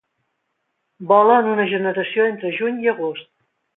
Vola en una generació entre juny i agost.